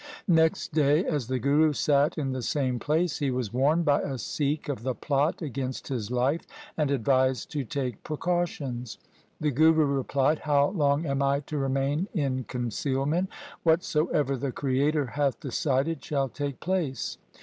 Next day, as the Guru sat in the same place, he was warned by a Sikh of the plot against his life, and advised to take precautions. The Guru replied, ' How long am I to remain in concealment ? What soever the Creator hath decided shall take place.'